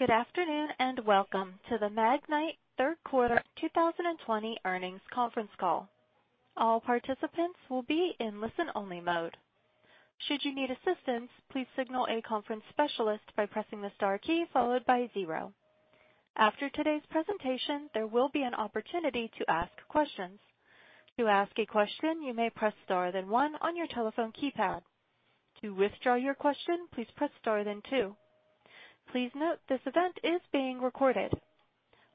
Good afternoon, and welcome to the Magnite third quarter 2020 earnings conference call. All participants will be in listen-only mode. Should you need assistance, please signal a conference specialist by pressing the star key followed by zero. After today's presentation, there will be an opportunity to ask questions. To ask a question, you may press star then one on your telephone keypad. To withdraw your question, please press star then two. Please note this event is being recorded.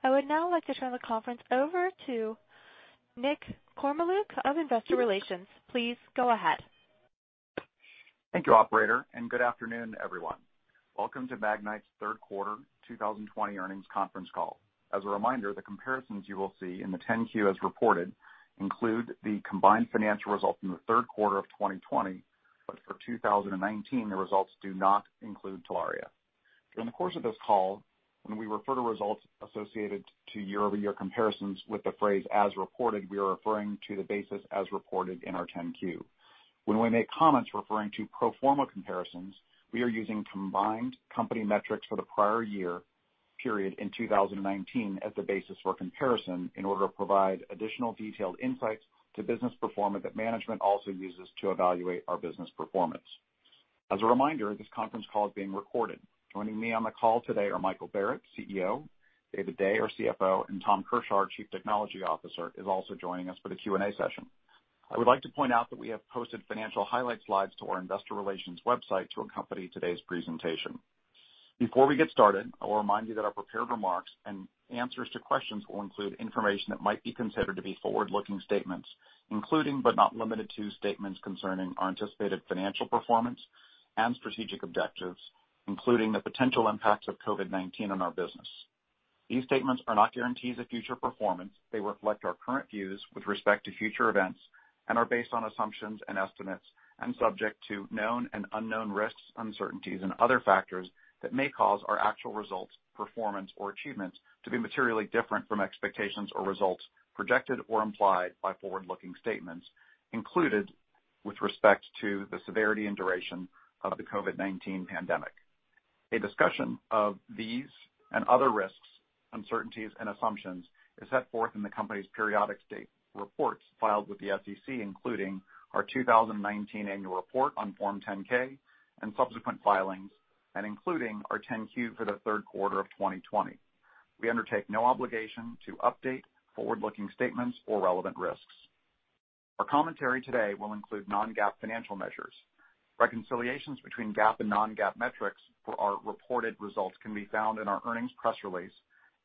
I would now like to turn the conference over to Nick Kormeluk of Investor Relations. Please go ahead. Thank you, operator, and good afternoon, everyone. Welcome to Magnite's third quarter 2020 earnings conference call. As a reminder, the comparisons you will see in the 10-Q as reported include the combined financial results in the third quarter of 2020, but for 2019, the results do not include Telaria. During the course of this call, when we refer to results associated to year-over-year comparisons with the phrase "as reported," we are referring to the basis as reported in our 10-Q. When we make comments referring to pro forma comparisons, we are using combined company metrics for the prior year period in 2019 as the basis for comparison in order to provide additional detailed insights to business performance that management also uses to evaluate our business performance. As a reminder, this conference call is being recorded. Joining me on the call today are Michael Barrett, CEO, David Day, our CFO, and Tom Kershaw, our Chief Technology Officer, is also joining us for the Q&A session. I would like to point out that we have posted financial highlights slides to our investor relations website to accompany today's presentation. Before we get started, I will remind you that our prepared remarks and answers to questions will include information that might be considered to be forward-looking statements, including but not limited to statements concerning our anticipated financial performance and strategic objectives, including the potential impacts of COVID-19 on our business. These statements are not guarantees of future performance. They reflect our current views with respect to future events, and are based on assumptions and estimates, and subject to known and unknown risks, uncertainties, and other factors that may cause our actual results, performance, or achievements to be materially different from expectations or results projected or implied by forward-looking statements included with respect to the severity and duration of the COVID-19 pandemic. A discussion of these and other risks, uncertainties, and assumptions is set forth in the company's periodic state reports filed with the SEC, including our 2019 annual report on Form 10-K and subsequent filings, and including our 10-Q for the third quarter of 2020. We undertake no obligation to update forward-looking statements or relevant risks. Our commentary today will include non-GAAP financial measures. Reconciliations between GAAP and non-GAAP metrics for our reported results can be found in our earnings press release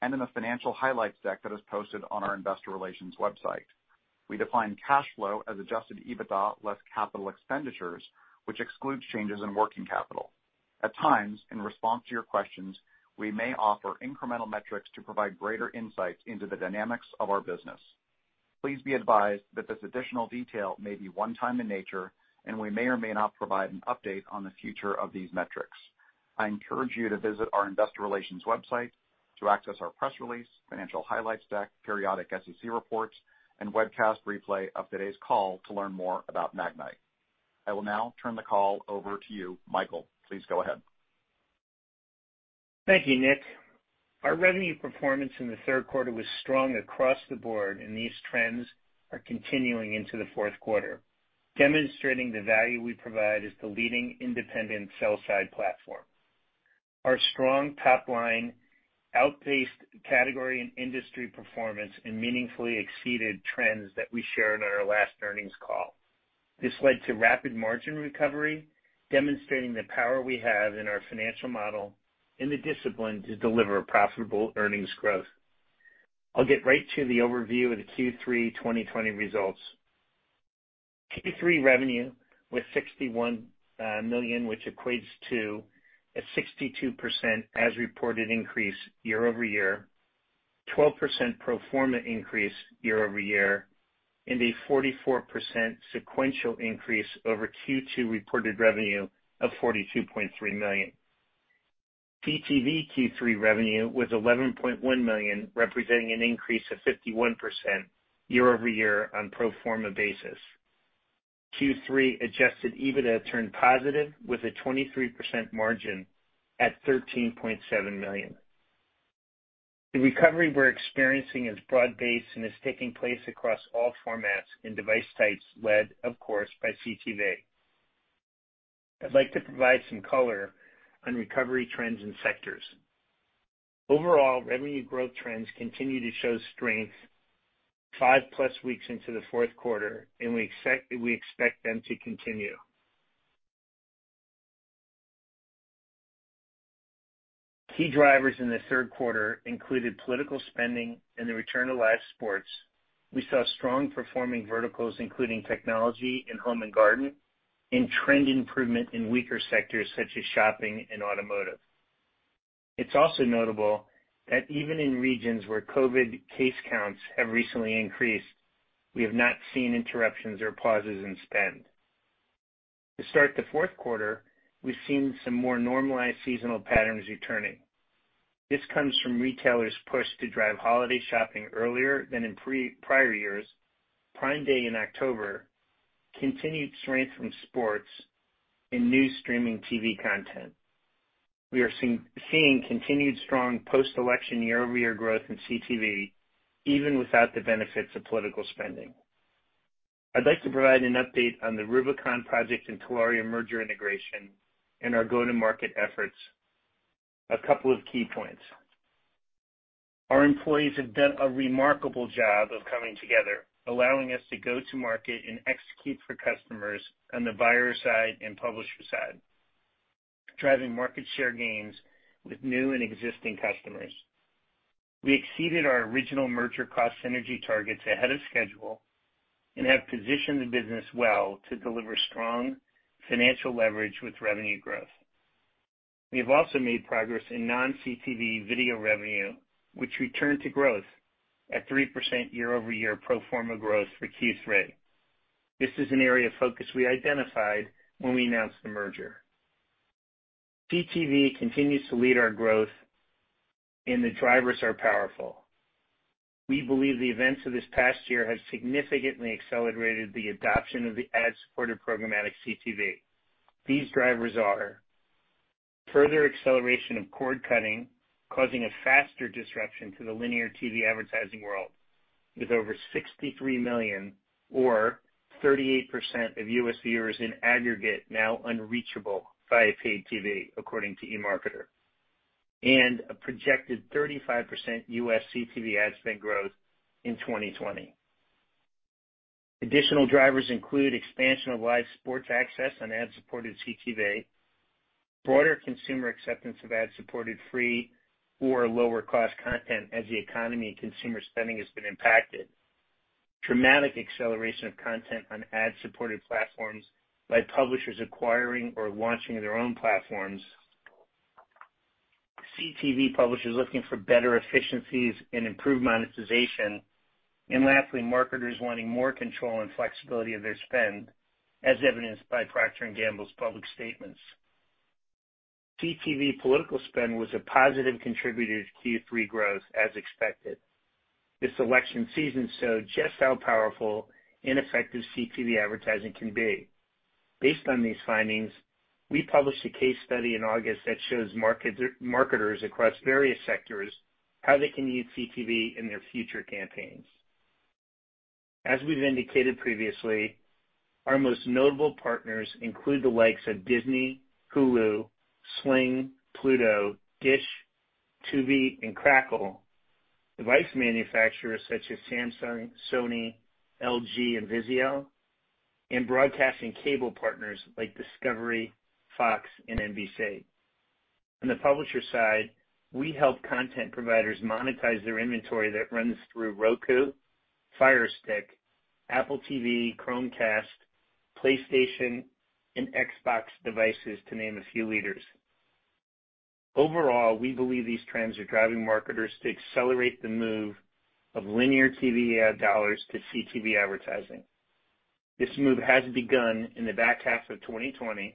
and in the financial highlights deck that is posted on our investor relations website. We define cash flow as adjusted EBITDA less capital expenditures, which excludes changes in working capital. At times, in response to your questions, we may offer incremental metrics to provide greater insights into the dynamics of our business. Please be advised that this additional detail may be one time in nature, and we may or may not provide an update on the future of these metrics. I encourage you to visit our investor relations website to access our press release, financial highlights deck, periodic SEC reports, and webcast replay of today's call to learn more about Magnite. I will now turn the call over to you, Michael. Please go ahead. Thank you, Nick. Our revenue performance in the third quarter was strong across the board, and these trends are continuing into the fourth quarter, demonstrating the value we provide as the leading independent sell-side platform. Our strong top line outpaced category and industry performance and meaningfully exceeded trends that we shared on our last earnings call. This led to rapid margin recovery, demonstrating the power we have in our financial model and the discipline to deliver profitable earnings growth. I'll get right to the overview of the Q3 2020 results. Q3 revenue was $61 million, which equates to a 62% as reported increase year-over-year, 12% pro forma increase year-over-year, and a 44% sequential increase over Q2 reported revenue of $42.3 million. CTV Q3 revenue was $11.1 million, representing an increase of 51% year-over-year on pro forma basis. Q3 adjusted EBITDA turned positive with a 23% margin at $13.7 million. The recovery we're experiencing is broad-based and is taking place across all formats and device types, led, of course, by CTV. I'd like to provide some color on recovery trends and sectors. Overall, revenue growth trends continue to show strength five-plus weeks into the fourth quarter, and we expect them to continue. Key drivers in the third quarter included political spending and the return to live sports. We saw strong performing verticals, including technology and home and garden, and trend improvement in weaker sectors such as shopping and automotive. It's also notable that even in regions where COVID case counts have recently increased, we have not seen interruptions or pauses in spend. To start the fourth quarter, we've seen some more normalized seasonal patterns returning. This comes from retailers' push to drive holiday shopping earlier than in prior years, Prime Day in October, continued strength from sports, and new streaming TV content. We are seeing continued strong post-election year-over-year growth in CTV even without the benefits of political spending. I'd like to provide an update on the Rubicon Project and Telaria merger integration and our go-to-market efforts. A couple of key points. Our employees have done a remarkable job of coming together, allowing us to go to market and execute for customers on the buyer side and publisher side, driving market share gains with new and existing customers. We exceeded our original merger cost synergy targets ahead of schedule and have positioned the business well to deliver strong financial leverage with revenue growth. We have also made progress in non-CTV video revenue, which returned to growth at 3% year-over-year pro forma growth for Q3. This is an area of focus we identified when we announced the merger. CTV continues to lead our growth, and the drivers are powerful. We believe the events of this past year have significantly accelerated the adoption of the ad-supported programmatic CTV. These drivers are further acceleration of cord-cutting, causing a faster disruption to the linear TV advertising world, with over 63 million or 38% of U.S. viewers in aggregate now unreachable via paid TV, according to eMarketer, and a projected 35% U.S. CTV ad spend growth in 2020. Additional drivers include expansion of live sports access on ad-supported CTV, broader consumer acceptance of ad-supported free or lower-cost content as the economy and consumer spending has been impacted. Dramatic acceleration of content on ad-supported platforms by publishers acquiring or launching their own platforms, CTV publishers looking for better efficiencies and improved monetization, and lastly, marketers wanting more control and flexibility of their spend, as evidenced by Procter & Gamble's public statements. CTV political spend was a positive contributor to Q3 growth as expected. This election season showed just how powerful and effective CTV advertising can be. Based on these findings, we published a case study in August that shows marketers across various sectors how they can use CTV in their future campaigns. As we've indicated previously, our most notable partners include the likes of Disney, Hulu, Sling, Pluto, Dish, Tubi, and Crackle, device manufacturers such as Samsung, Sony, LG, and Vizio, and broadcasting cable partners like Discovery, Fox, and NBC. On the publisher side, we help content providers monetize their inventory that runs through Roku, Fire Stick, Apple TV, Chromecast, PlayStation, and Xbox devices, to name a few leaders. Overall, we believe these trends are driving marketers to accelerate the move of linear TV ad dollars to CTV advertising. This move has begun in the back half of 2020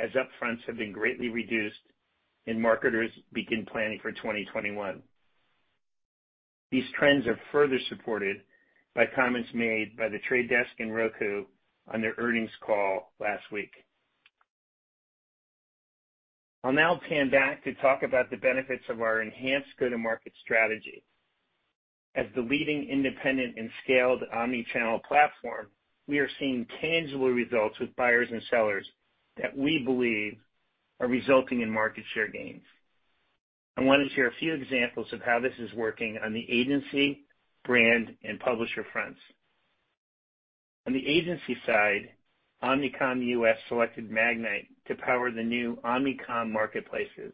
as upfronts have been greatly reduced and marketers begin planning for 2021. These trends are further supported by comments made by The Trade Desk and Roku on their earnings call last week. I'll now pan back to talk about the benefits of our enhanced go-to-market strategy. As the leading independent and scaled omni-channel platform, we are seeing tangible results with buyers and sellers that we believe are resulting in market share gains. I want to share a few examples of how this is working on the agency, brand, and publisher fronts. On the agency side, Omnicom U.S. selected Magnite to power the new Omnicom marketplaces.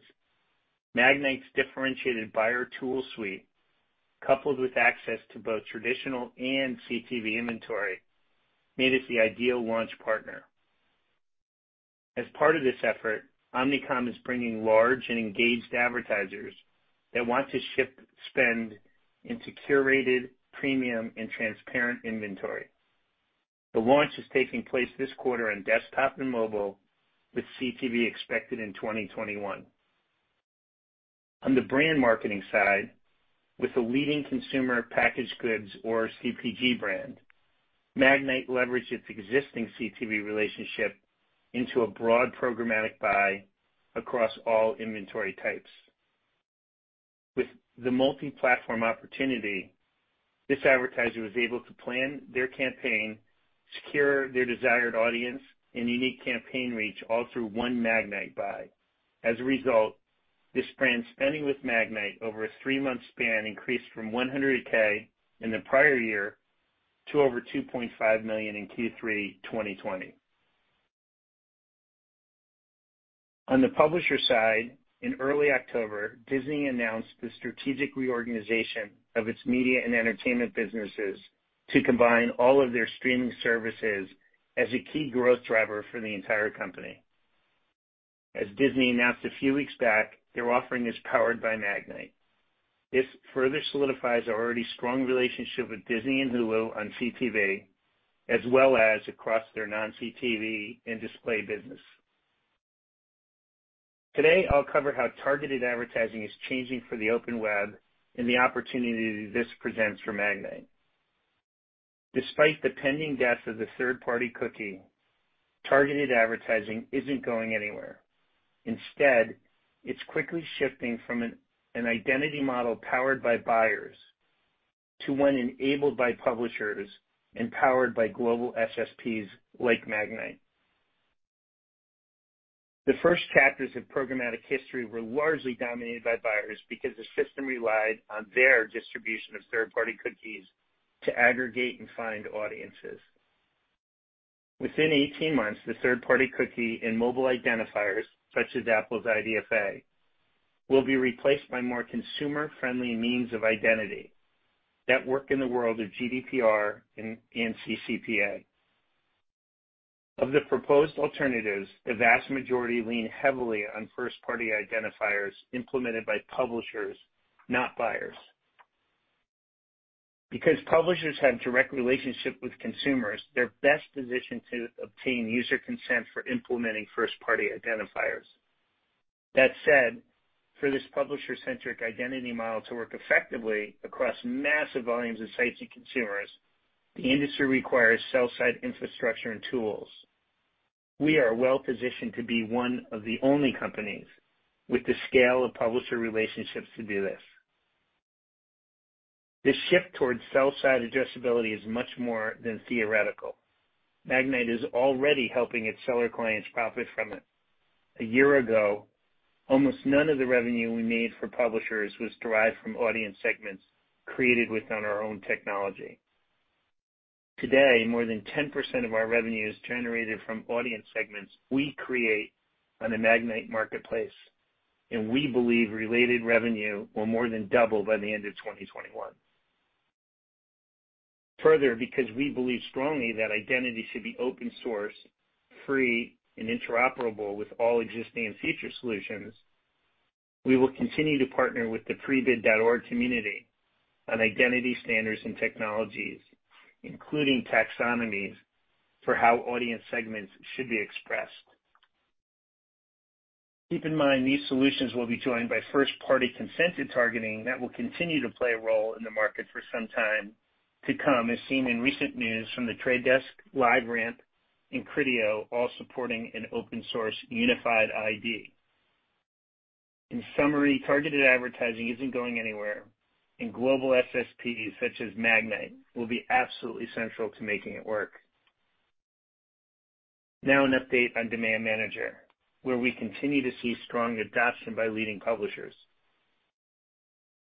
Magnite's differentiated buyer tool suite, coupled with access to both traditional and CTV inventory, made it the ideal launch partner. As part of this effort, Omnicom is bringing large and engaged advertisers that want to shift spend into curated, premium, and transparent inventory. The launch is taking place this quarter on desktop and mobile, with CTV expected in 2021. On the brand marketing side, with a leading consumer packaged goods or CPG brand, Magnite leveraged its existing CTV relationship into a broad programmatic buy across all inventory types. With the multi-platform opportunity, this advertiser was able to plan their campaign, secure their desired audience, and unique campaign reach all through one Magnite buy. As result, this brand spending with Magnite over a three-month span increased from $100,000 in the prior year to over $2.5 million in Q3 2020. In early October, Disney announced the strategic reorganization of its media and entertainment businesses to combine all of their streaming services as a key growth driver for the entire company. As Disney announced a few weeks back, their offering is powered by Magnite. This further solidifies our already strong relationship with Disney and Hulu on CTV, as well as across their non-CTV and display business. I'll cover how targeted advertising is changing for the open web and the opportunity this presents for Magnite. Despite the pending death of the third-party cookie, targeted advertising isn't going anywhere. It's quickly shifting from an identity model powered by buyers to one enabled by publishers and powered by global SSPs like Magnite. The first chapters of programmatic history were largely dominated by buyers because the system relied on their distribution of third-party cookies to aggregate and find audiences. Within 18 months, the third-party cookie and mobile identifiers, such as Apple's IDFA, will be replaced by more consumer-friendly means of identity that work in the world of GDPR and CCPA. Of the proposed alternatives, the vast majority lean heavily on first-party identifiers implemented by publishers, not buyers. Because publishers have direct relationship with consumers, they're best positioned to obtain user consent for implementing first-party identifiers. That said, for this publisher-centric identity model to work effectively across massive volumes of sites and consumers, the industry requires sell-side infrastructure and tools. We are well-positioned to be one of the only companies with the scale of publisher relationships to do this. This shift towards sell-side addressability is much more than theoretical. Magnite is already helping its seller clients profit from it. A year ago, almost none of the revenue we made for publishers was derived from audience segments created within our own technology. Today, more than 10% of our revenue is generated from audience segments we create on the Magnite marketplace, and we believe related revenue will more than double by the end of 2021. Further, because we believe strongly that identity should be open source, free, and interoperable with all existing and future solutions, we will continue to partner with the Prebid.org community on identity standards and technologies, including taxonomies for how audience segments should be expressed. Keep in mind, these solutions will be joined by first-party consented targeting that will continue to play a role in the market for some time to come, as seen in recent news from The Trade Desk, LiveRamp, and Criteo, all supporting an open source unified ID. In summary, targeted advertising isn't going anywhere, and global SSPs such as Magnite will be absolutely central to making it work. Now an update on Demand Manager, where we continue to see strong adoption by leading publishers.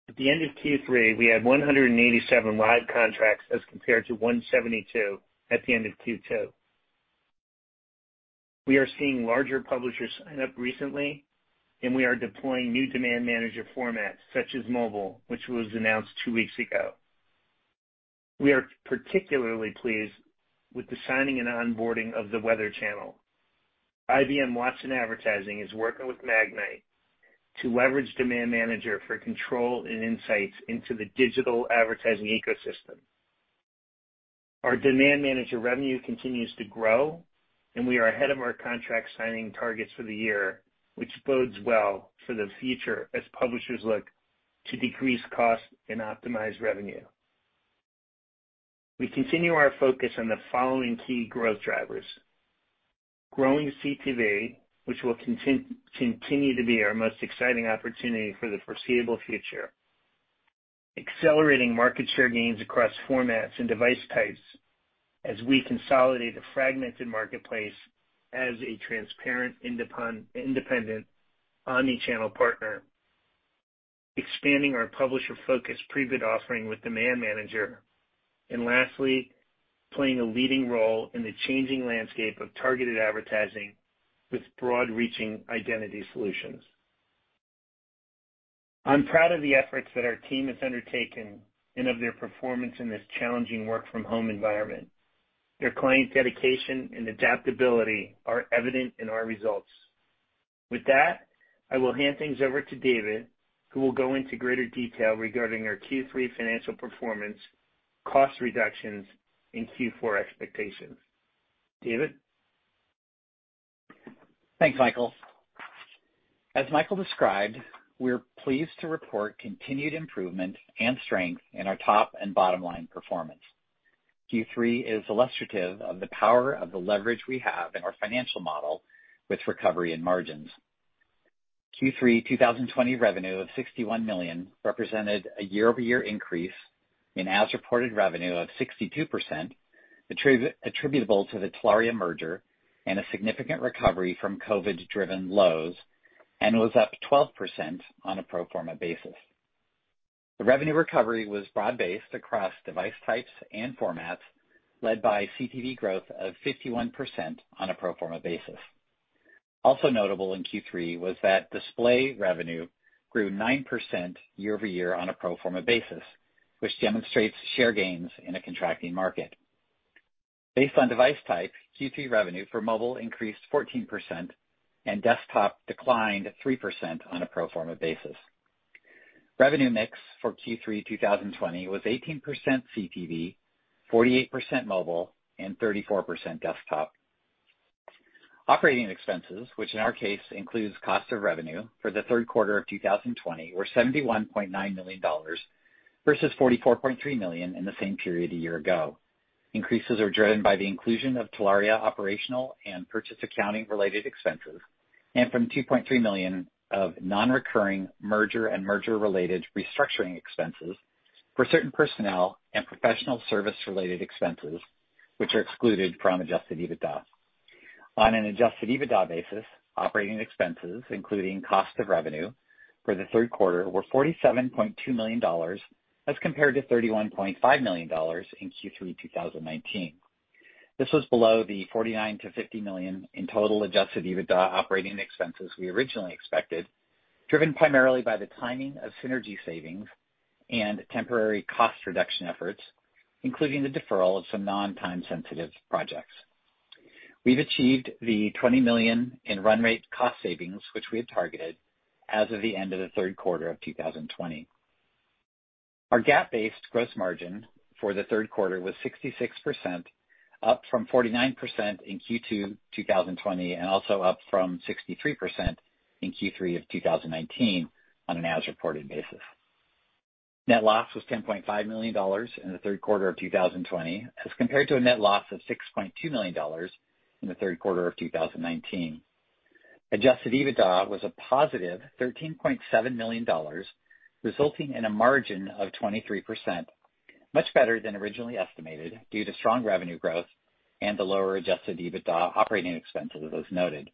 At the end of Q3, we had 187 live contracts as compared to 172 at the end of Q2. We are seeing larger publishers sign up recently, and we are deploying new Demand Manager formats such as mobile, which was announced two weeks ago. We are particularly pleased with the signing and onboarding of The Weather Channel. IBM Watson Advertising is working with Magnite to leverage Demand Manager for control and insights into the digital advertising ecosystem. Our Demand Manager revenue continues to grow, and we are ahead of our contract signing targets for the year, which bodes well for the future as publishers look to decrease costs and optimize revenue. We continue our focus on the following key growth drivers. Growing CTV, which will continue to be our most exciting opportunity for the foreseeable future. Accelerating market share gains across formats and device types as we consolidate a fragmented marketplace as a transparent, independent omnichannel partner. Expanding our publisher focus Prebid offering with Demand Manager. Lastly, playing a leading role in the changing landscape of targeted advertising with broad-reaching identity solutions. I'm proud of the efforts that our team has undertaken and of their performance in this challenging work-from-home environment. Their client dedication and adaptability are evident in our results. With that, I will hand things over to David, who will go into greater detail regarding our Q3 financial performance, cost reductions, and Q4 expectations. David? Thanks, Michael. As Michael described, we are pleased to report continued improvement and strength in our top and bottom line performance. Q3 is illustrative of the power of the leverage we have in our financial model with recovery and margins. Q3 2020 revenue of $61 million represented a year-over-year increase in as-reported revenue of 62% attributable to the Telaria merger and a significant recovery from COVID-driven lows and was up 12% on a pro forma basis. The revenue recovery was broad-based across device types and formats, led by CTV growth of 51% on a pro forma basis. Notable in Q3 was that display revenue grew 9% year-over-year on a pro forma basis, which demonstrates share gains in a contracting market. Based on device type, Q3 revenue for mobile increased 14% and desktop declined 3% on a pro forma basis. Revenue mix for Q3 2020 was 18% CTV, 48% mobile, and 34% desktop. Operating expenses, which in our case includes cost of revenue for the third quarter of 2020, were $71.9 million versus $44.3 million in the same period a year ago. Increases are driven by the inclusion of Telaria operational and purchase accounting-related expenses and from $2.3 million of non-recurring merger and merger-related restructuring expenses for certain personnel and professional service-related expenses, which are excluded from adjusted EBITDA. On an adjusted EBITDA basis, operating expenses, including cost of revenue for the third quarter, were $47.2 million as compared to $31.5 million in Q3 2019. This was below the $49 million-$50 million in total adjusted EBITDA operating expenses we originally expected, driven primarily by the timing of synergy savings and temporary cost reduction efforts, including the deferral of some non-time sensitive projects. We've achieved the $20 million in run rate cost savings, which we had targeted as of the end of the third quarter of 2020. Our GAAP-based gross margin for the third quarter was 66%, up from 49% in Q2 2020, and also up from 63% in Q3 of 2019 on an as-reported basis. Net loss was $10.5 million in the third quarter of 2020 as compared to a net loss of $6.2 million in the third quarter of 2019. Adjusted EBITDA was a positive $13.7 million, resulting in a margin of 23%, much better than originally estimated due to strong revenue growth and the lower adjusted EBITDA operating expenses as noted.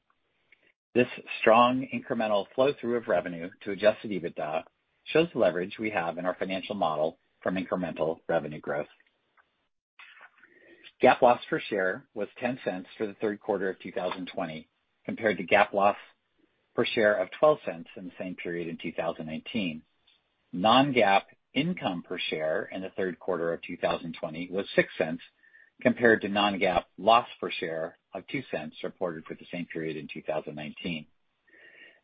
This strong incremental flow-through of revenue to adjusted EBITDA shows the leverage we have in our financial model from incremental revenue growth. GAAP loss per share was $0.10 for the third quarter of 2020 compared to GAAP loss per share of $0.12 in the same period in 2019. Non-GAAP income per share in the third quarter of 2020 was $0.06, compared to non-GAAP loss per share of $0.02 reported for the same period in 2019.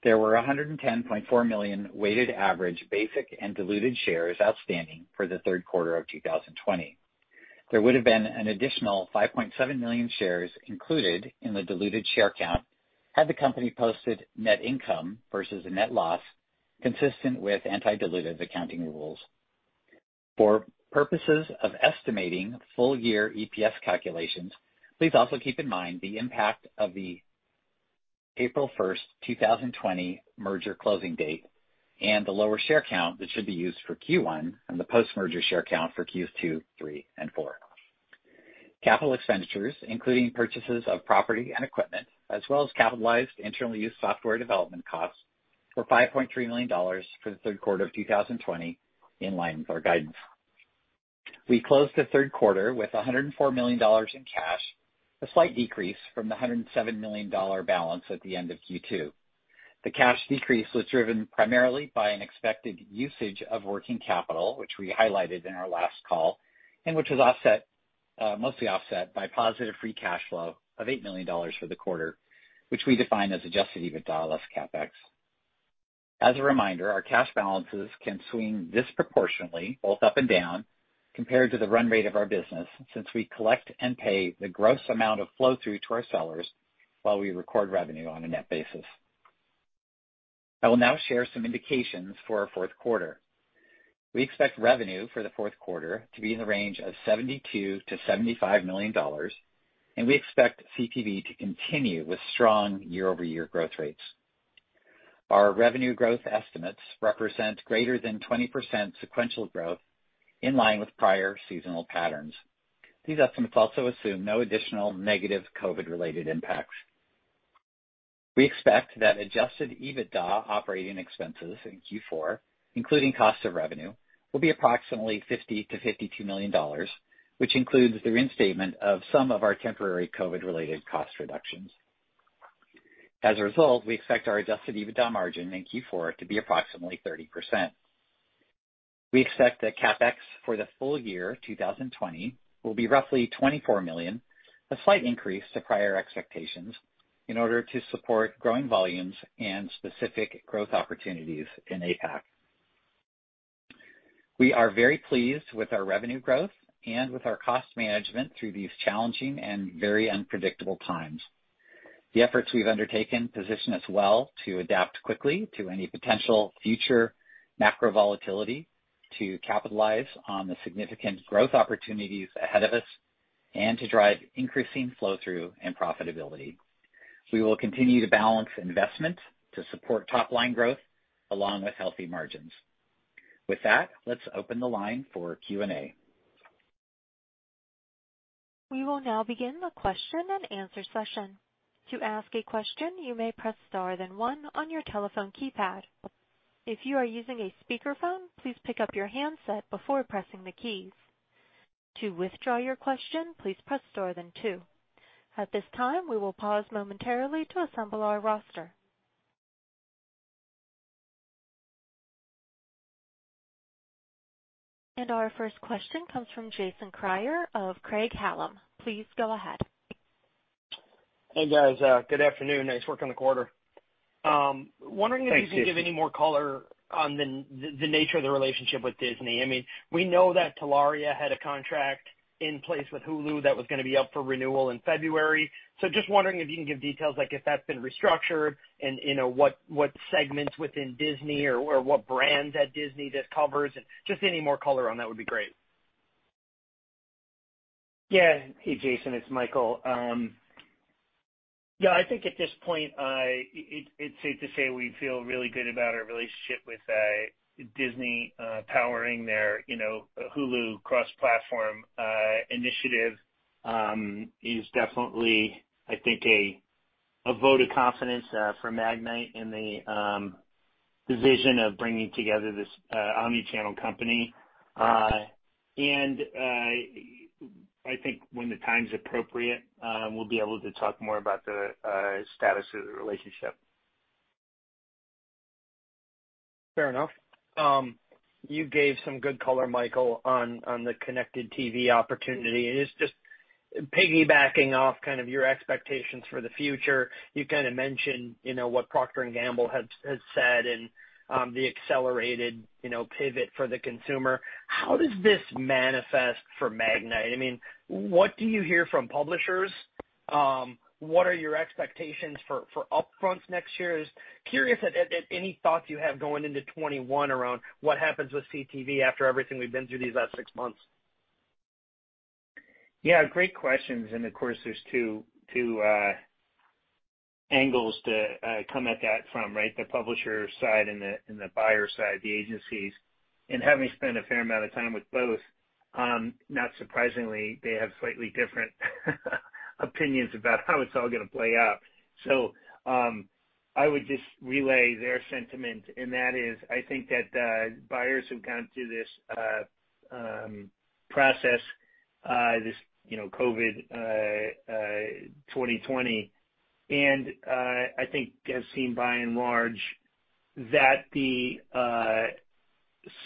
There were 110.4 million weighted average basic and diluted shares outstanding for the third quarter of 2020. There would've been an additional 5.7 million shares included in the diluted share count had the company posted net income versus a net loss consistent with anti-dilutive accounting rules. For purposes of estimating full year EPS calculations, please also keep in mind the impact of the April 1st, 2020 merger closing date and the lower share count that should be used for Q1 and the post-merger share count for Q2, three, and four. Capital expenditures, including purchases of property and equipment, as well as capitalized internal use software development costs were $5.3 million for the third quarter of 2020, in line with our guidance. We closed the third quarter with $104 million in cash, a slight decrease from the $107 million balance at the end of Q2. The cash decrease was driven primarily by an expected usage of working capital, which we highlighted in our last call, and which was mostly offset by positive free cash flow of $8 million for the quarter, which we define as adjusted EBITDA less CapEx. As a reminder, our cash balances can swing disproportionately both up and down compared to the run rate of our business since we collect and pay the gross amount of flow-through to our sellers while we record revenue on a net basis. I will now share some indications for our fourth quarter. We expect revenue for the fourth quarter to be in the range of $72 million-$75 million, and we expect CTV to continue with strong year-over-year growth rates. Our revenue growth estimates represent greater than 20% sequential growth in line with prior seasonal patterns. These estimates also assume no additional negative COVID-related impacts. We expect that adjusted EBITDA operating expenses in Q4, including cost of revenue, will be approximately $50 million-$52 million, which includes the reinstatement of some of our temporary COVID-related cost reductions. As a result, we expect our adjusted EBITDA margin in Q4 to be approximately 30%. We expect that CapEx for the full year 2020 will be roughly $24 million, a slight increase to prior expectations in order to support growing volumes and specific growth opportunities in APAC. We are very pleased with our revenue growth and with our cost management through these challenging and very unpredictable times. The efforts we've undertaken position us well to adapt quickly to any potential future macro volatility to capitalize on the significant growth opportunities ahead of us and to drive increasing flow-through and profitability. We will continue to balance investment to support top-line growth along with healthy margins. With that, let's open the line for Q&A. We will now begin the question and answer session. To ask a question, you may press star then one on your telephone keypad. If you are using a speakerphone, please pick up your handset before pressing the keys. To withdraw your question, please press star then two. At this time, we will pause momentarily to assemble our roster. Our first question comes from Jason Kreyer of Craig-Hallum. Please go ahead. Hey, guys. Good afternoon. Nice work on the quarter. Thanks, Jason. Wondering if you could give any more color on the nature of the relationship with Disney? We know that Telaria had a contract in place with Hulu that was going to be up for renewal in February. Just wondering if you can give details, like if that's been restructured and what segments within Disney or what brands at Disney this covers and just any more color on that would be great? Hey, Jason, it's Michael. I think at this point, it's safe to say we feel really good about our relationship with Disney. Powering their Hulu cross-platform initiative is definitely, I think, a vote of confidence for Magnite in the vision of bringing together this omni-channel company. I think when the time is appropriate, we'll be able to talk more about the status of the relationship. Fair enough. You gave some good color, Michael, on the connected TV opportunity, and it is just piggybacking off kind of your expectations for the future. You kind of mentioned what Procter & Gamble has said and the accelerated pivot for the consumer. How does this manifest for Magnite? What do you hear from publishers? What are your expectations for upfronts next year? Curious at any thoughts you have going into 2021 around what happens with CTV after everything we have been through these last six months. Yeah, great questions. Of course, there's two angles to come at that from, right? The publisher side and the buyer side, the agencies. Having spent a fair amount of time with both, not surprisingly, they have slightly different opinions about how it's all going to play out. I would just relay their sentiment, and that is, I think that buyers who've gone through this process, this COVID 2020, and I think have seen by and large that the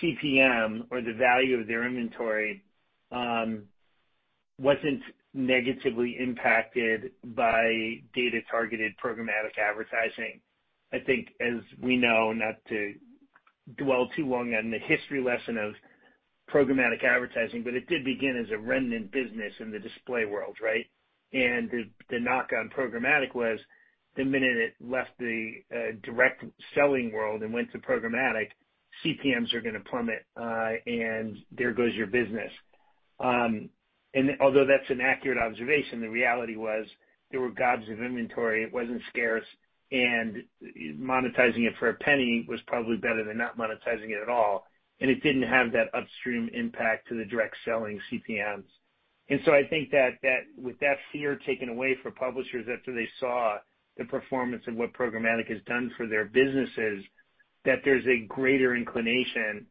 CPM or the value of their inventory, wasn't negatively impacted by data-targeted programmatic advertising. I think as we know, not to dwell too long on the history lesson of programmatic advertising, but it did begin as a remnant business in the display world, right? The knock on programmatic was the minute it left the direct selling world and went to programmatic, CPMs are going to plummet, and there goes your business. Although that's an accurate observation, the reality was there were gobs of inventory. It wasn't scarce, and monetizing it for a penny was probably better than not monetizing it at all, and it didn't have that upstream impact to the direct selling CPMs. I think that with that fear taken away for publishers after they saw the performance of what programmatic has done for their businesses, there's a greater inclination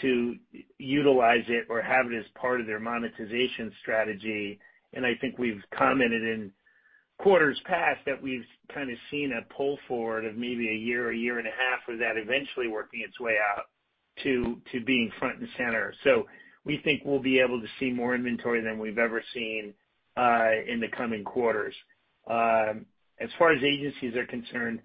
to utilize it or have it as part of their monetization strategy. I think we've commented in quarters past that we've kind of seen a pull forward of maybe a year or a year and a half of that eventually working its way out to being front and center. We think we'll be able to see more inventory than we've ever seen, in the coming quarters. As far as agencies are concerned,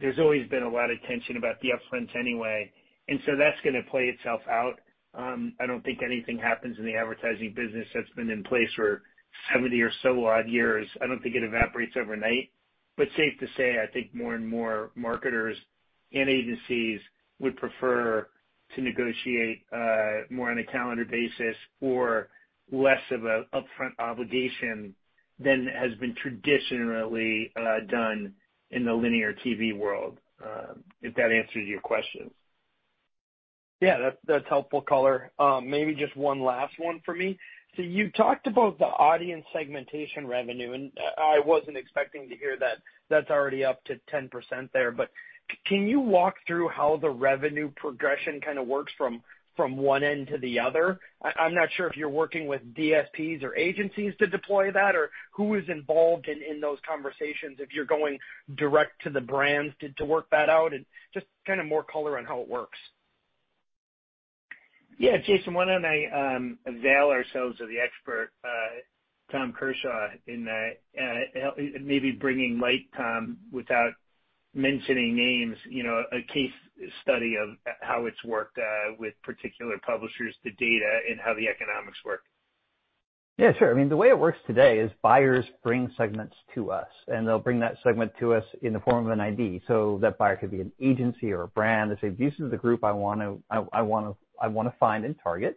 there's always been a lot of tension about the upfronts anyway, that's going to play itself out. I don't think anything happens in the advertising business that's been in place for 70 or so odd years. I don't think it evaporates overnight. Safe to say, I think more and more marketers and agencies would prefer to negotiate more on a calendar basis or less of an upfront obligation than has been traditionally done in the linear TV world. If that answers your question. Yeah, that's helpful color. Maybe just one last one for me. You talked about the audience segmentation revenue, and I wasn't expecting to hear that that's already up to 10% there. Can you walk through how the revenue progression kind of works from one end to the other? I'm not sure if you're working with DSPs or agencies to deploy that or who is involved in those conversations, if you're going direct to the brands to work that out and just kind of more color on how it works. Yeah. Jason, why don't I avail ourselves of the expert, Tom Kershaw, in maybe bringing light, Tom, without mentioning names, a case study of how it's worked, with particular publishers, the data, and how the economics work. Sure. I mean, the way it works today is buyers bring segments to us, and they'll bring that segment to us in the form of an ID. That buyer could be an agency or a brand. They say, "This is the group I want to find and target."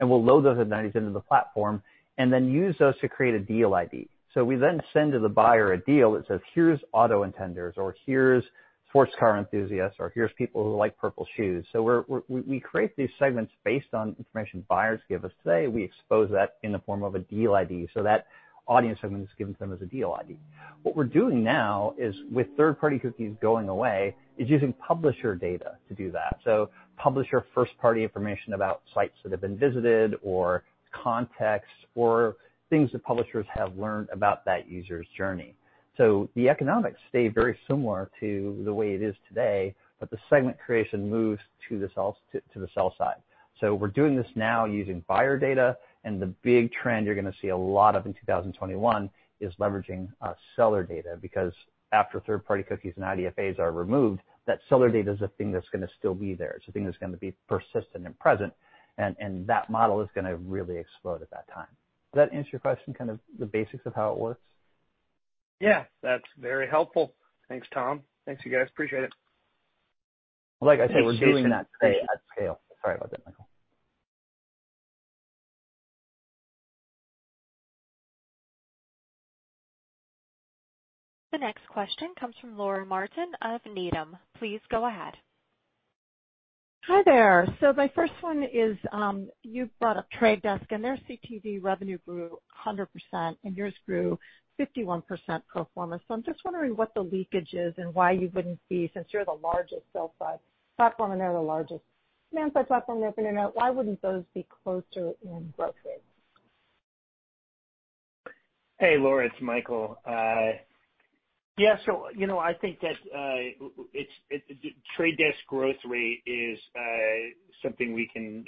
We'll load those identities into the platform and then use those to create a Deal ID. We then send to the buyer a deal that says, "Here's auto intenders," or, "Here's sports car enthusiasts," or, "Here's people who like purple shoes." We create these segments based on information buyers give us today. We expose that in the form of a Deal ID, so that audience segment is given to them as a Deal ID. What we're doing now is with third-party cookies going away, is using publisher data to do that. Publisher first-party information about sites that have been visited or context or things that publishers have learned about that user's journey. The economics stay very similar to the way it is today, but the segment creation moves to the sell side. We're doing this now using buyer data, and the big trend you're going to see a lot of in 2021 is leveraging seller data, because after third-party cookies and IDFAs are removed, that seller data is a thing that's going to still be there. It's a thing that's going to be persistent and present, and that model is going to really explode at that time. Does that answer your question, kind of the basics of how it works? Yeah, that's very helpful. Thanks, Tom. Thanks, you guys. Appreciate it. Like I said, we're doing that at scale. Sorry about that, Michael. The next question comes from Laura Martin of Needham. Please go ahead. Hi there. My first one is, you brought up The Trade Desk and their CTV revenue grew 100% and yours grew 51% pro forma. I'm just wondering what the leakage is and why you wouldn't be, since you're the largest sell-side platform and they're the largest demand-side platform, why wouldn't those be closer in growth rates? Hey, Laura, it's Michael. Yeah. I think that Trade Desk growth rate is something we can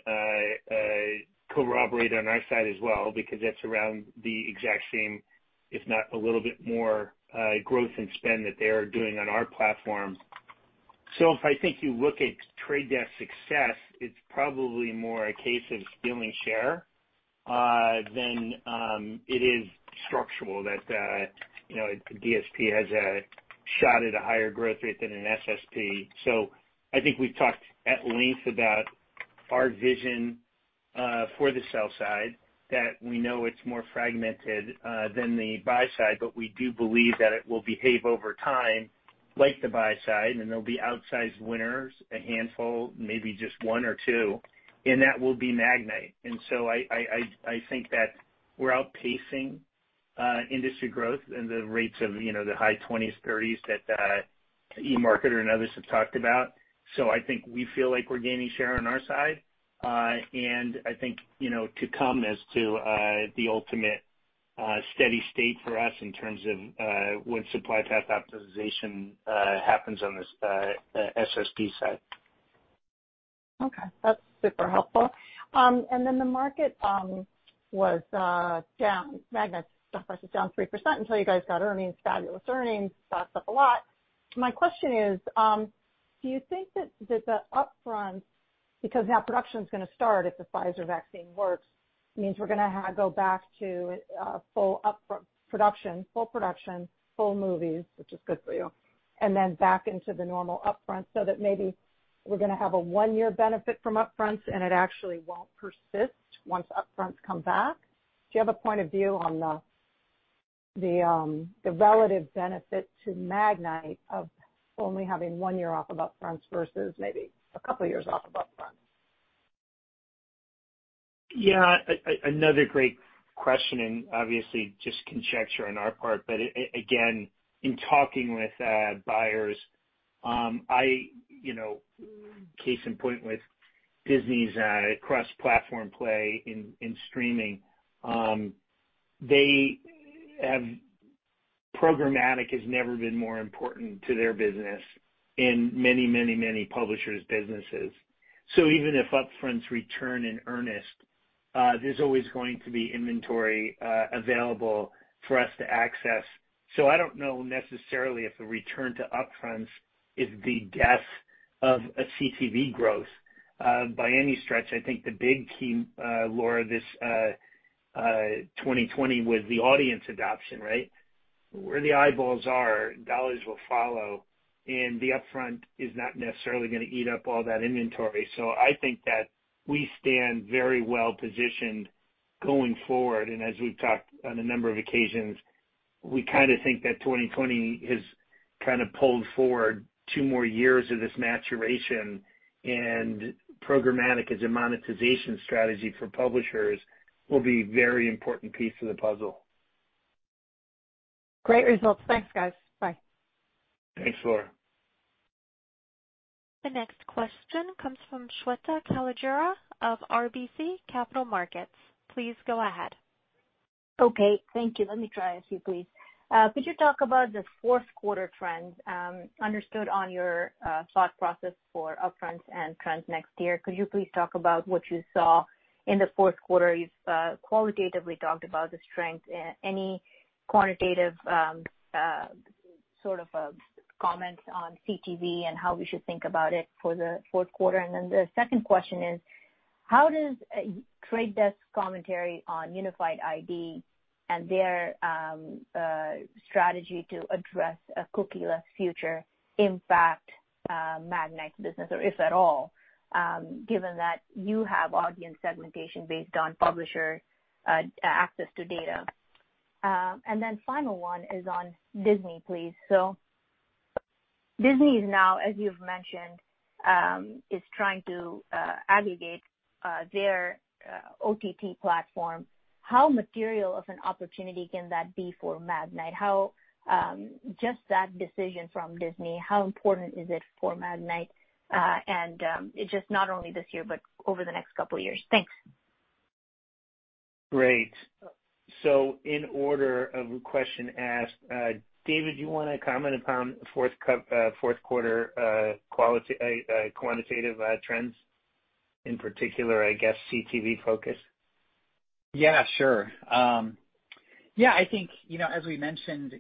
corroborate on our side as well because that's around the exact same, if not a little bit more, growth in spend that they are doing on our platform. If I think you look at Trade Desk success, it's probably more a case of stealing share, than it is structural that a DSP has a shot at a higher growth rate than an SSP. I think we've talked at length about our vision for the sell side, that we know it's more fragmented than the buy side, but we do believe that it will behave over time like the buy side, and there'll be outsized winners, a handful, maybe just one or two, and that will be Magnite. I think that we're outpacing industry growth and the rates of the high 20s, 30s that eMarketer and others have talked about. I think we feel like we're gaining share on our side. I think to come as to the ultimate steady state for us in terms of when supply path optimization happens on the SSP side. Okay, that's super helpful. Then the market was down. Magnite stock price is down 3% until you guys got earnings. Fabulous earnings. Stock's up a lot. My question is, do you think that the upfront, because now production's going to start if the Pfizer vaccine works, means we're going to go back to full upfront production, full production, full movies, which is good for you, and then back into the normal upfront, so that maybe we're going to have a one-year benefit from upfronts and it actually won't persist once upfronts come back? Do you have a point of view on the relative benefit to Magnite of only having one year off of upfronts versus maybe a couple of years off of upfronts? Yeah. Another great question, and obviously just conjecture on our part, but again, in talking with buyers, case in point with Disney's cross-platform play in streaming. Programmatic has never been more important to their business in many publishers' businesses. Even if upfronts return in earnest, there's always going to be inventory available for us to access. I don't know necessarily if the return to upfronts is the death of a CTV growth. By any stretch, I think the big key, Laura, this 2020 was the audience adoption, right? Where the eyeballs are, dollars will follow. The upfront is not necessarily going to eat up all that inventory. I think that we stand very well positioned going forward. As we've talked on a number of occasions, we kind of think that 2020 has kind of pulled forward two more years of this maturation and programmatic as a monetization strategy for publishers will be a very important piece of the puzzle. Great results. Thanks, guys. Bye. Thanks, Laura. The next question comes from Shweta Khajuria of RBC Capital Markets. Please go ahead. Okay, thank you. Let me try a few, please. Could you talk about the fourth quarter trends? Understood on your thought process for upfronts and trends next year. Could you please talk about what you saw in the fourth quarter? You've qualitatively talked about the strength. Any quantitative sort of comments on CTV and how we should think about it for the fourth quarter? The second question is: how does Trade Desk commentary on unified ID and their strategy to address a cookie-less future impact Magnite's business, or if at all, given that you have audience segmentation based on publisher access to data? Final one is on Disney, please. Disney is now, as you've mentioned, is trying to aggregate their OTT platform. How material of an opportunity can that be for Magnite? Just that decision from Disney, how important is it for Magnite? Just not only this year, but over the next couple of years. Thanks. Great. In order of question asked, David, do you want to comment upon fourth quarter quantitative trends? In particular, I guess, CTV focus. Yeah, sure. I think, as we mentioned,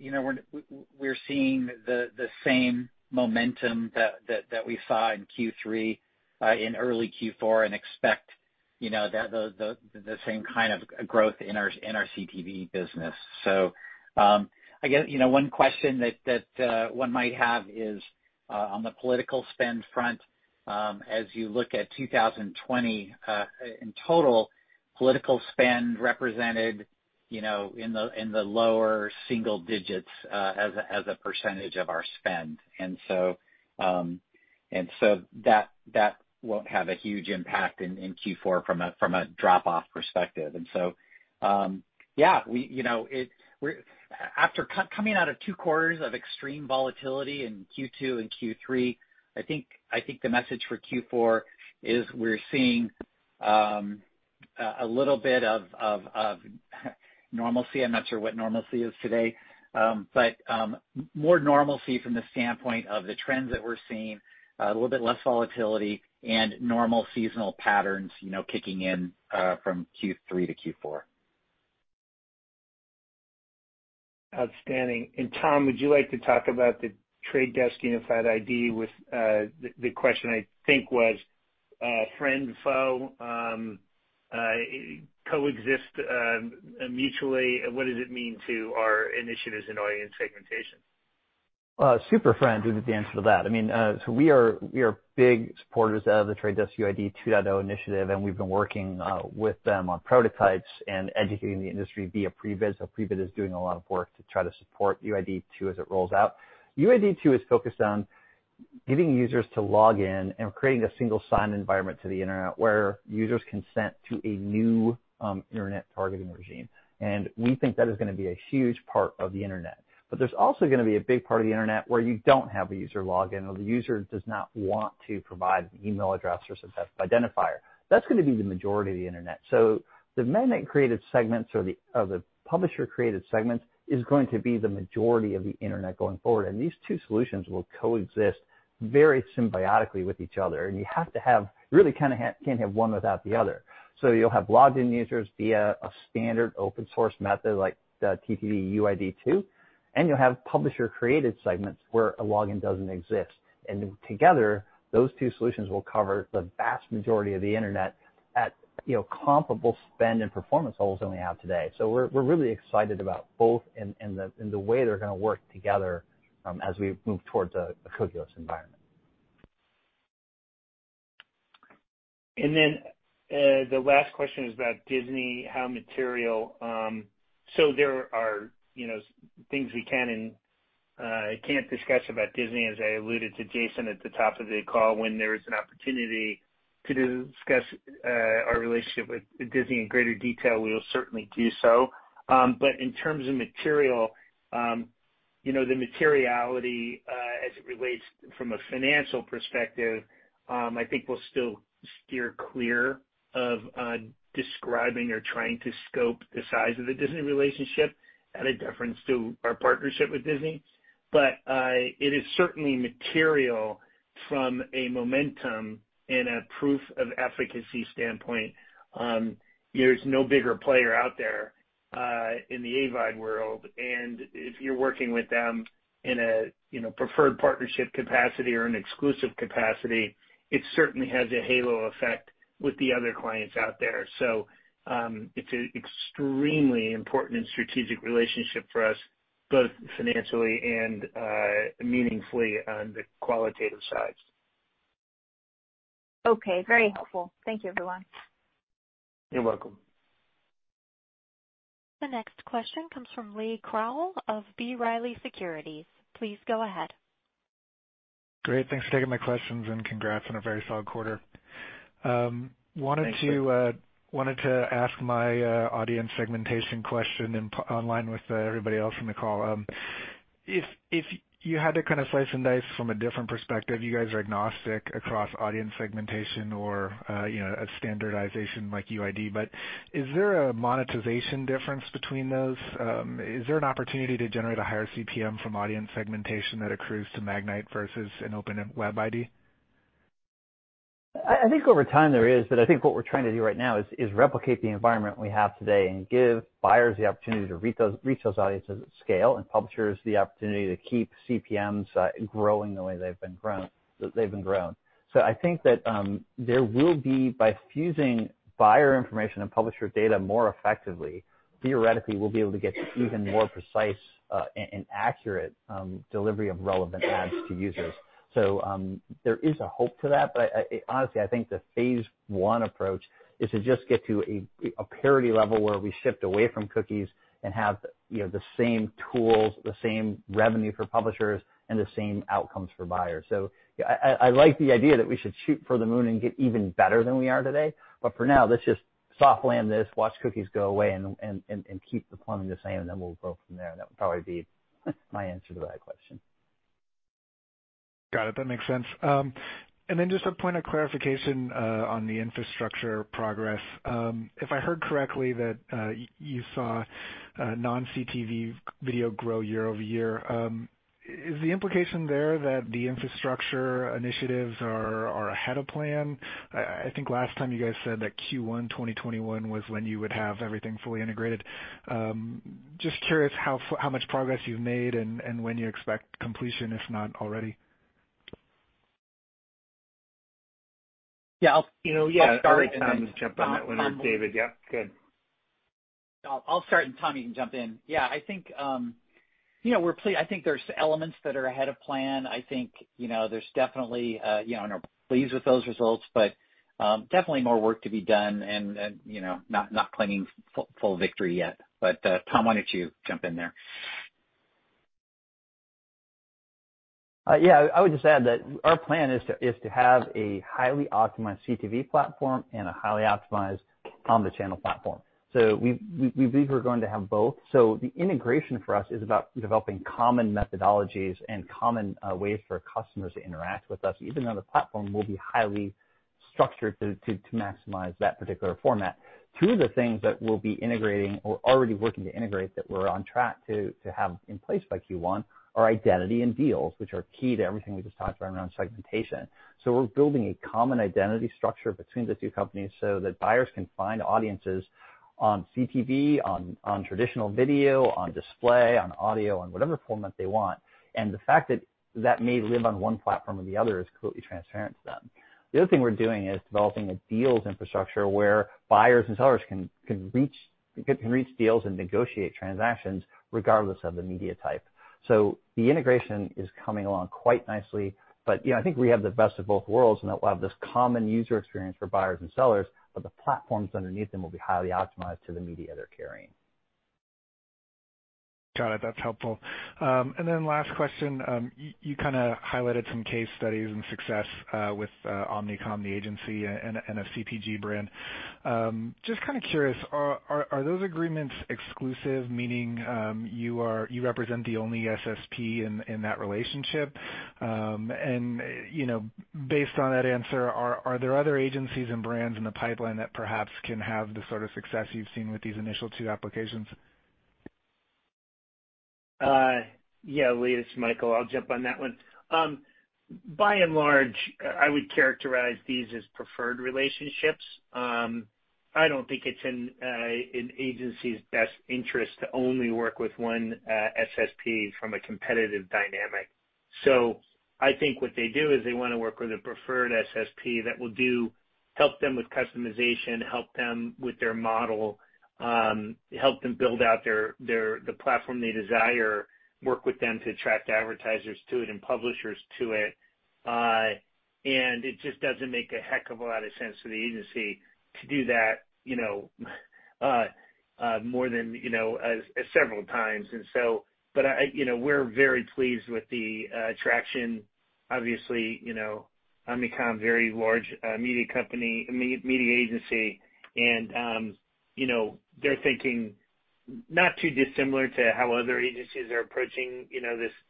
we're seeing the same momentum that we saw in Q3, in early Q4, and expect the same kind of growth in our CTV business. One question that one might have is on the political spend front. As you look at 2020, in total, political spend represented in the lower single digits as a percentage of our spend. That won't have a huge impact in Q4 from a drop-off perspective. Coming out of two quarters of extreme volatility in Q2 and Q3, I think the message for Q4 is we're seeing a little bit of normalcy. I'm not sure what normalcy is today. More normalcy from the standpoint of the trends that we're seeing, a little bit less volatility, and normal seasonal patterns kicking in from Q3 to Q4. Outstanding. Tom, would you like to talk about The Trade Desk Unified ID with, the question I think was, friend, foe, coexist mutually? What does it mean to our initiatives in audience segmentation? Super friend is the answer to that. We are big supporters of The Trade Desk UID 2.0 initiative, and we've been working with them on prototypes and educating the industry via Prebid. Prebid is doing a lot of work to try to support UID 2 as it rolls out. UID 2 is focused on getting users to log in and creating a single sign-in environment to the Internet where users consent to a new Internet targeting regime. We think that is going to be a huge part of the Internet. There's also going to be a big part of the Internet where you don't have a user login, or the user does not want to provide an email address or successful identifier. That's going to be the majority of the Internet. The Magnite-created segments or the publisher-created segments is going to be the majority of the Internet going forward. These two solutions will coexist very symbiotically with each other. You really can't have one without the other. You'll have logged-in users via a standard open source method like The Trade Desk UID 2, and you'll have publisher-created segments where a login doesn't exist. Together, those two solutions will cover the vast majority of the Internet at comparable spend and performance levels than we have today. We're really excited about both and the way they're going to work together as we move towards a cookieless environment. The last question is about Disney, how material. There are things we can and can't discuss about Disney, as I alluded to Jason at the top of the call. When there is an opportunity to discuss our relationship with Disney in greater detail, we will certainly do so. In terms of material, the materiality as it relates from a financial perspective, I think we'll still steer clear of describing or trying to scope the size of the Disney relationship out of deference to our partnership with Disney. It is certainly material from a momentum and a proof-of-efficacy standpoint. There's no bigger player out there in the AVOD world, and if you're working with them in a preferred partnership capacity or an exclusive capacity, it certainly has a halo effect with the other clients out there. It's an extremely important and strategic relationship for us, both financially and meaningfully on the qualitative side. Okay. Very helpful. Thank you, everyone. You're welcome. The next question comes from Lee Krowl of B. Riley Securities. Please go ahead. Great. Thanks for taking my questions, and congrats on a very solid quarter. Wanted to ask my audience segmentation question in line with everybody else in the call. If you had to kind of slice and dice from a different perspective, you guys are agnostic across audience segmentation or a standardization like UID. Is there a monetization difference between those? Is there an opportunity to generate a higher CPM from audience segmentation that accrues to Magnite versus an open web ID? I think over time there is. I think what we're trying to do right now is replicate the environment we have today and give buyers the opportunity to reach those audiences at scale and publishers the opportunity to keep CPMs growing the way they've been grown. I think that there will be, by fusing buyer information and publisher data more effectively, theoretically, we'll be able to get even more precise and accurate delivery of relevant ads to users. There is a hope to that. Honestly, I think the phase one approach is to just get to a parity level where we shift away from cookies and have the same tools, the same revenue for publishers, and the same outcomes for buyers. I like the idea that we should shoot for the moon and get even better than we are today. For now, let's just soft land this, watch cookies go away, and keep the plumbing the same, and then we'll go from there. That would probably be my answer to that question. Got it. That makes sense. Just a point of clarification on the infrastructure progress. If I heard correctly, that you saw non-CTV video grow year-over-year. Is the implication there that the infrastructure initiatives are ahead of plan? I think last time you guys said that Q1 2021 was when you would have everything fully integrated. Just curious how much progress you've made and when you expect completion, if not already. Yeah. I'll start and then- Yeah. I'll let Tom jump on that one or David. Yeah, good. I'll start and Tom, you can jump in. Yeah, I think there's elements that are ahead of plan. I think there's definitely, and are pleased with those results, but definitely more work to be done and not claiming full victory yet. Tom, why don't you jump in there? Yeah. I would just add that our plan is to have a highly optimized CTV platform and a highly optimized omnichannel platform. We believe we're going to have both. The integration for us is about developing common methodologies and common ways for customers to interact with us, even though the platform will be highly structured to maximize that particular format. Two of the things that we'll be integrating or already working to integrate that we're on track to have in place by Q1 are identity and deals, which are key to everything we just talked about around segmentation. We're building a common identity structure between the two companies so that buyers can find audiences on CTV, on traditional video, on display, on audio, on whatever format they want. The fact that that may live on one platform or the other is completely transparent to them. The other thing we're doing is developing a deals infrastructure where buyers and sellers can reach deals and negotiate transactions regardless of the media type. The integration is coming along quite nicely, but I think we have the best of both worlds in that we'll have this common user experience for buyers and sellers, but the platforms underneath them will be highly optimized to the media they're carrying. Got it. That's helpful. Last question. You kind of highlighted some case studies and success with Omnicom, the agency, and a CPG brand. Just kind of curious, are those agreements exclusive, meaning you represent the only SSP in that relationship? Based on that answer, are there other agencies and brands in the pipeline that perhaps can have the sort of success you've seen with these initial two applications? Lee, it's Michael. I'll jump on that one. By and large, I would characterize these as preferred relationships. I don't think it's in an agency's best interest to only work with one SSP from a competitive dynamic. I think what they do is they want to work with a preferred SSP that will help them with customization, help them with their model, help them build out the platform they desire, work with them to attract advertisers to it and publishers to it. It just doesn't make a heck of a lot of sense for the agency to do that more than several times. We're very pleased with the attraction. Obviously, Omnicom, very large media agency, and they're thinking not too dissimilar to how other agencies are approaching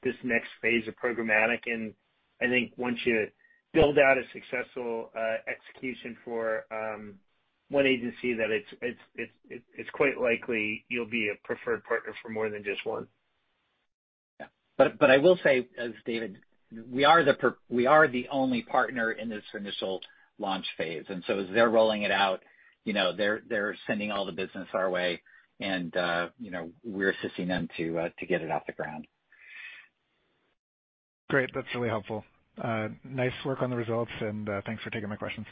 this next phase of programmatic. I think once you build out a successful execution for one agency, that it's quite likely you'll be a preferred partner for more than just one. Yeah. I will say, as David, we are the only partner in this initial launch phase, and so as they're rolling it out, they're sending all the business our way and we're assisting them to get it off the ground. Great. That's really helpful. Nice work on the results and thanks for taking my questions.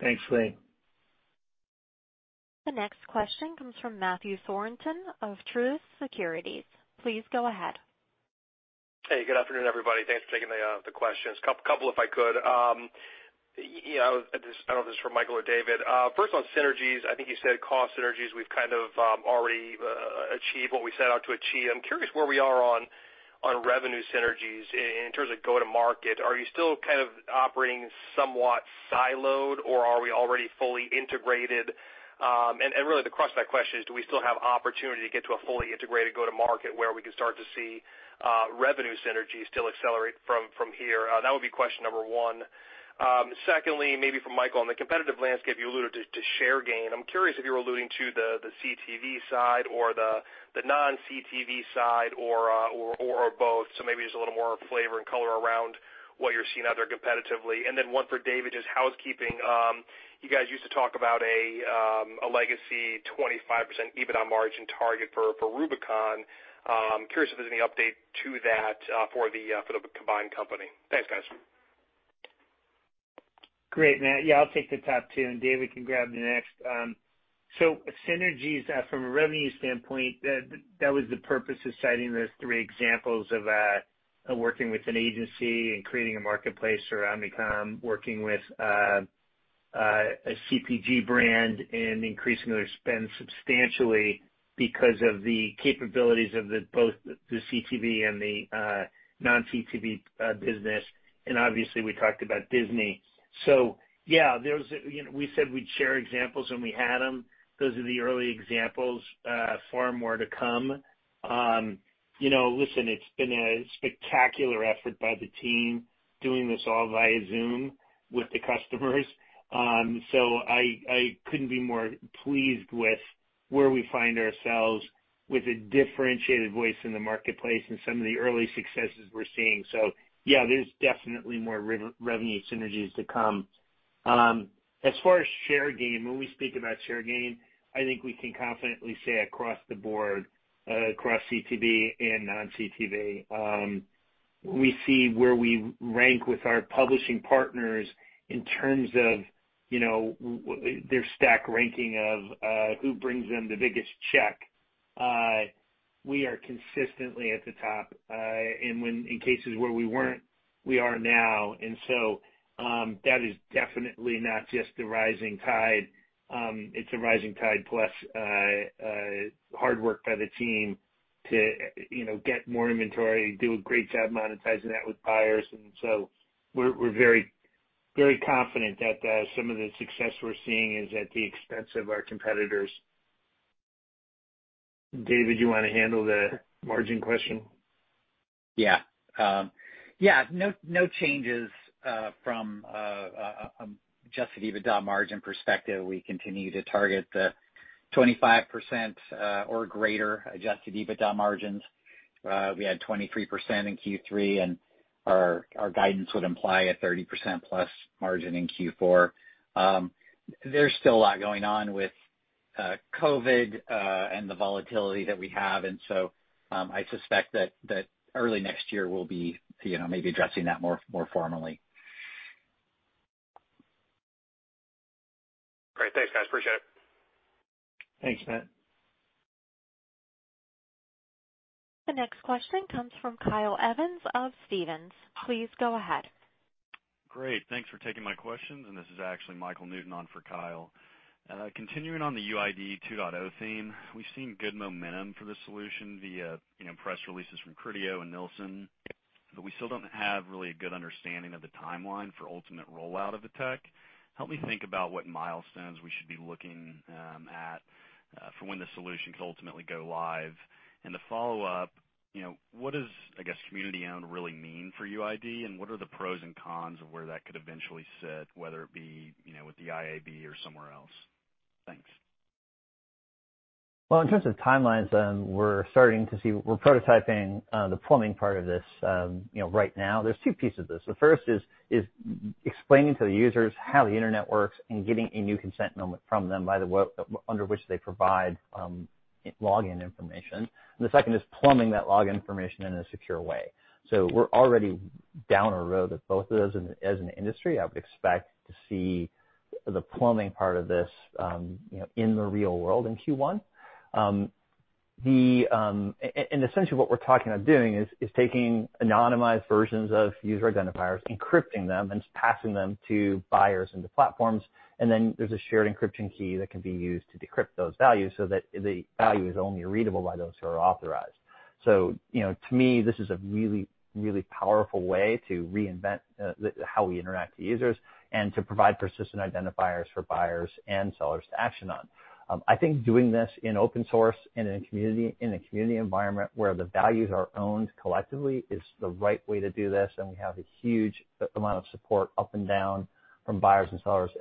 Thanks, Lee. The next question comes from Matthew Thornton of Truist Securities. Please go ahead. Hey, good afternoon, everybody. Thanks for taking the questions. Couple if I could. I don't know if this is for Michael or David. On synergies, I think you said cost synergies we've kind of already achieved what we set out to achieve. I'm curious where we are on revenue synergies in terms of go to market. Are you still kind of operating somewhat siloed, or are we already fully integrated? Really the crux of that question is, do we still have opportunity to get to a fully integrated go to market where we can start to see revenue synergies still accelerate from here? That would be question number one. Maybe for Michael, on the competitive landscape, you alluded to share gain. I'm curious if you were alluding to the CTV side or the non-CTV side or both. Maybe just a little more flavor and color around what you're seeing out there competitively. One for David, just housekeeping. You guys used to talk about a legacy 25% EBITDA margin target for Rubicon. Curious if there's any update to that for the combined company. Thanks, guys. Great, Matt. Yeah, I'll take the top two, and David can grab the next. Synergies from a revenue standpoint, that was the purpose of citing those three examples of working with an agency and creating a marketplace for Omnicom, working with a CPG brand and increasing their spend substantially because of the capabilities of both the CTV and the non-CTV business. Obviously, we talked about Disney. Yeah, we said we'd share examples when we had them. Those are the early examples. Far more to come. Listen, it's been a spectacular effort by the team doing this all via Zoom with the customers. I couldn't be more pleased with where we find ourselves with a differentiated voice in the marketplace and some of the early successes we're seeing. Yeah, there's definitely more revenue synergies to come. As far as share gain, when we speak about share gain, I think we can confidently say across the board, across CTV and non-CTV, we see where we rank with our publishing partners in terms of their stack ranking of who brings them the biggest check. We are consistently at the top. When in cases where we weren't, we are now. That is definitely not just the rising tide. It's a rising tide plus hard work by the team to get more inventory, do a great job monetizing that with buyers. We're very confident that some of the success we're seeing is at the expense of our competitors. David, you want to handle the margin question? Yeah. No changes, from adjusted EBITDA margin perspective. We continue to target the 25% or greater adjusted EBITDA margins. We had 23% in Q3, and our guidance would imply a 30% plus margin in Q4. There's still a lot going on with COVID, and the volatility that we have, and so, I suspect that early next year we'll be maybe addressing that more formally. Great. Thanks, guys. Appreciate it. Thanks, Matt. The next question comes from Kyle Evans of Stephens. Please go ahead. Great. Thanks for taking my questions. This is actually Michael Newton on for Kyle. Continuing on the UID 2.0 theme, we've seen good momentum for the solution via press releases from Criteo and Nielsen. We still don't have really a good understanding of the timeline for ultimate rollout of the tech. Help me think about what milestones we should be looking at for when the solution could ultimately go live. To follow up, what does, I guess, community-owned really mean for UID, and what are the pros and cons of where that could eventually sit, whether it be with the IAB or somewhere else? Thanks. Well, in terms of timelines, we're prototyping the plumbing part of this right now. There's two pieces of this. The first is explaining to the users how the internet works and getting a new consent from them under which they provide login information. The second is plumbing that login information in a secure way. We're already down a road of both of those. As an industry, I would expect to see the plumbing part of this in the real world in Q1. Essentially what we're talking of doing is taking anonymized versions of user identifiers, encrypting them, and passing them to buyers and to platforms, and then there's a shared encryption key that can be used to decrypt those values so that the value is only readable by those who are authorized. To me, this is a really powerful way to reinvent how we interact to users and to provide persistent identifiers for buyers and sellers to action on. I think doing this in open source and in a community environment where the values are owned collectively is the right way to do this, and we have a huge amount of support up and down from buyers and sellers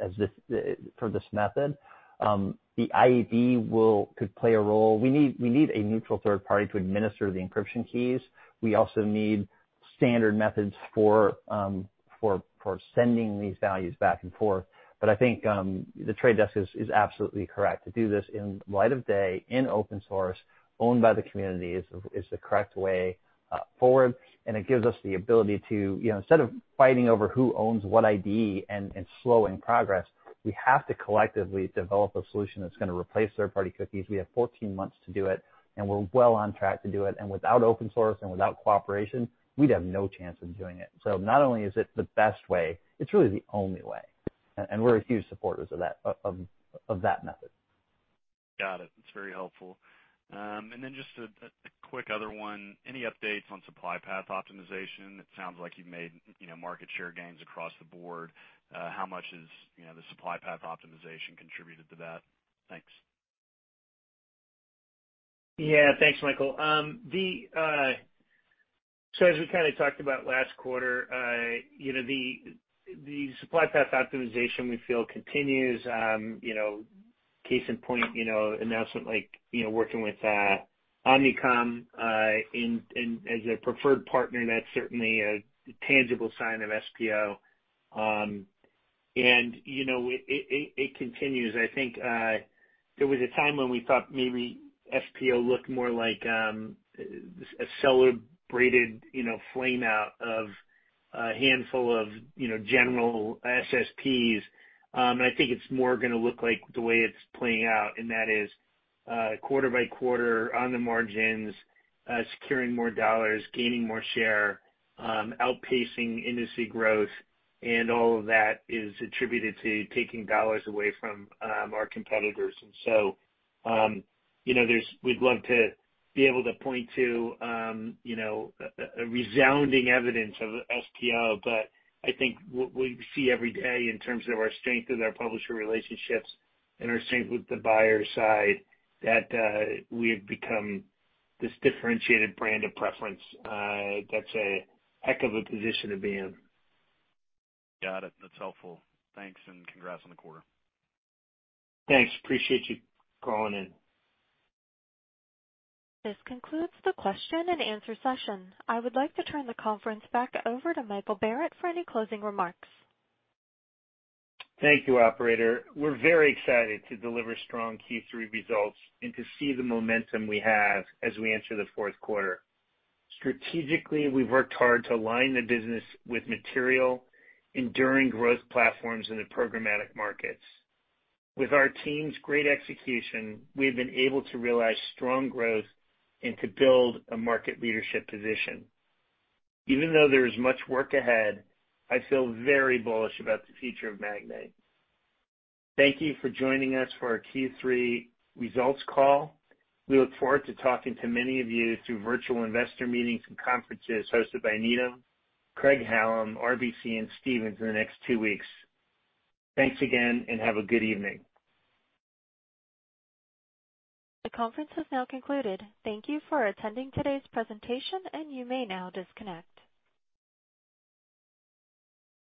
for this method. The IAB could play a role. We need a neutral third party to administer the encryption keys. We also need standard methods for sending these values back and forth. I think The Trade Desk is absolutely correct. To do this in light of day, in open source, owned by the community is the correct way forward. It gives us the ability to instead of fighting over who owns what ID and slowing progress, we have to collectively develop a solution that's going to replace third-party cookies. We have 14 months to do it, and we're well on track to do it. Without open source and without cooperation, we'd have no chance of doing it. Not only is it the best way, it's really the only way. We're huge supporters of that method. Got it. That's very helpful. Then just a quick other one. Any updates on Supply Path Optimization? It sounds like you've made market share gains across the board. How much has the Supply Path Optimization contributed to that? Thanks. Yeah. Thanks, Michael. As we kind of talked about last quarter, the supply path optimization we feel continues. Case in point, announcement like working with Omnicom as a preferred partner, that's certainly a tangible sign of SPO. It continues. I think there was a time when we thought maybe SPO looked more like a celebrated flame out of a handful of general SSPs. I think it's more going to look like the way it's playing out, and that is quarter by quarter on the margins, securing more dollars, gaining more share, outpacing industry growth, and all of that is attributed to taking dollars away from our competitors. We'd love to be able to point to a resounding evidence of SPO, but I think what we see every day in terms of our strength in our publisher relationships and our strength with the buyer side, that we have become this differentiated brand of preference. That's a heck of a position to be in. Got it. That's helpful. Thanks, and congrats on the quarter. Thanks. Appreciate you calling in. This concludes the question and answer session. I would like to turn the conference back over to Michael Barrett for any closing remarks. Thank you, operator. We're very excited to deliver strong Q3 results and to see the momentum we have as we enter the fourth quarter. Strategically, we've worked hard to align the business with material, enduring growth platforms in the programmatic markets. With our team's great execution, we have been able to realize strong growth and to build a market leadership position. Even though there is much work ahead, I feel very bullish about the future of Magnite. Thank you for joining us for our Q3 results call. We look forward to talking to many of you through virtual investor meetings and conferences hosted by Needham, Craig-Hallum, RBC, and Stephens in the next two weeks. Thanks again, and have a good evening. The conference has now concluded. Thank you for attending today's presentation, and you may now disconnect.